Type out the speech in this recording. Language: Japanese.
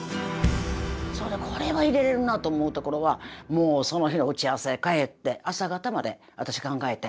それでこれは入れれるなと思うところはもうその日の打ち合わせ帰って朝方まで私考えて。